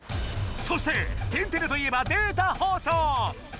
そして「天てれ」といえばデータ放送。